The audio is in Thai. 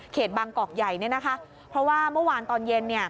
บางกอกใหญ่เนี่ยนะคะเพราะว่าเมื่อวานตอนเย็น